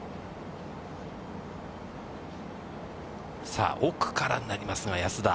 さあ、奥からになりますが、安田。